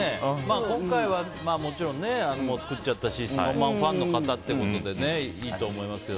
今回はもう作っちゃったしＳｎｏｗＭａｎファンの方ということでいいと思いますけど。